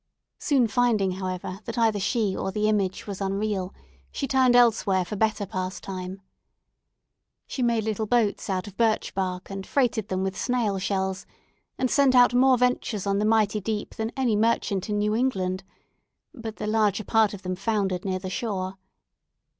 Soon finding, however, that either she or the image was unreal, she turned elsewhere for better pastime. She made little boats out of birch bark, and freighted them with snailshells, and sent out more ventures on the mighty deep than any merchant in New England; but the larger part of them foundered near the shore.